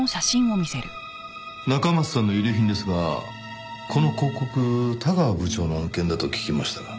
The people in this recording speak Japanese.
中松さんの遺留品ですがこの広告田川部長の案件だと聞きましたが。